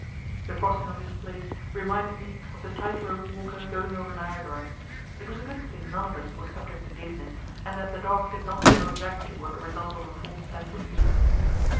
The crossing of this place reminded me of the tight rope walker going over Niagara. It was a good thing none of us was subject to giddiness, and that the dogs did not know exactly what the result of a false step would be.